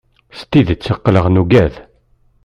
S tidet aql-aɣ nugad.